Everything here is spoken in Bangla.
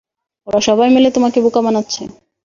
ওরা সবাই মিলে তোমাকে বোকা বানাচ্ছে।